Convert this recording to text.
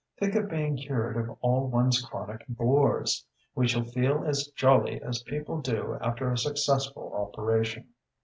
Think of being cured of all one's chronic bores! We shall feel as jolly as people do after a successful operation.